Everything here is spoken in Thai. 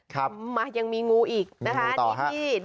ครับมันยังมีงูอีกนะคะนี่พี่มีงูต่อค่ะ